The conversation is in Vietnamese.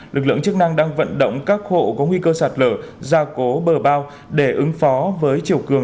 lực lượng chức năng đang vận động các hộ có nguy cơ sạt lở ra cố bờ bao để ứng phó với chiều cường